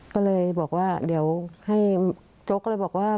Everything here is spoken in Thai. ก็เลยบอกว่าเดี๋ยวให้โจ๊กก็เลยบอกว่า